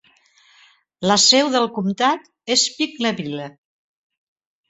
La seu del comtat és Pinckneyville.